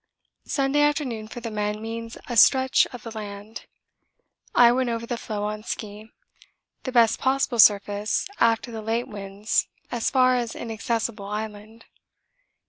Sunday afternoon for the men means a 'stretch of the land.' I went over the floe on ski. The best possible surface after the late winds as far as Inaccessible Island.